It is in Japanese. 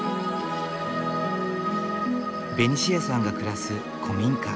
ベニシアさんが暮らす古民家。